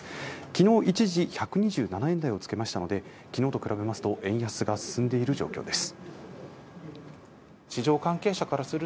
昨日一時１２７円台をつけましたのできのうと比べますと円安が進んでいる状況です